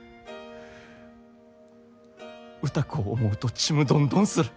歌子を思うとちむどんどんする。